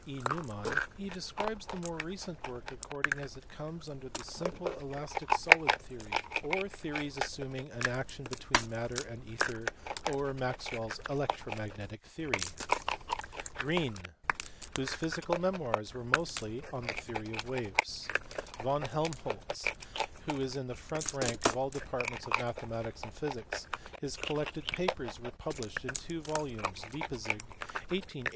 E. Neumann, he describes the more recent work according as it conies under the simple elastic solid theory ; or theories assuming an action between matter and ether; or Maxwell s electromagnetic theory. MATHEMATICAL PHYSICS. Green (see above, p. 487), whose physical memoirs were mostly 011 the theory of waves. Von Helmlioltz (see above, p. 466), who is in the front rank of all departments of mathematical physics : his collected papers were published in two volumes, Leipzig, 1882 3.